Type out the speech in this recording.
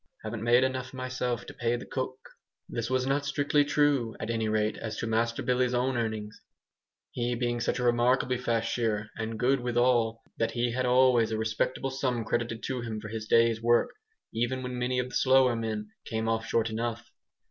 "Haven't made enough, myself, to pay the cook." This was not strictly true, at any rate, as to Master Billy's own earnings; he being such a remarkably fast shearer (and good withal), that he had always a respectable sum credited to him for his days' work, even when many of the slower men came off short enough.